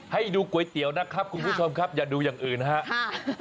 ให้ดูก๋วยเตี๋ยวนะครับคุณผู้ชมครับอย่าดูอย่างอื่นนะครับ